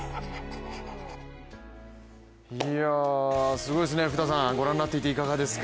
すごいですね、福田さんご覧になっていていかがですか？